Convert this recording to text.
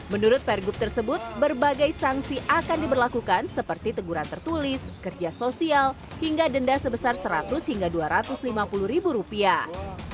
menurut pergub tersebut berbagai sanksi akan diberlakukan seperti teguran tertulis kerja sosial hingga denda sebesar seratus hingga dua ratus lima puluh ribu rupiah